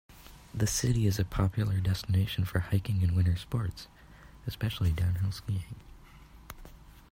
The city is a popular destination for hiking and winter sports, especially downhill skiing.